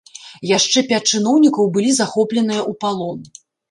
Яшчэ пяць чыноўнікаў былі захопленыя ў палон.